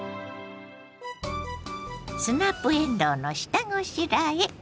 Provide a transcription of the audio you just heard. スナップえんどうの下ごしらえ。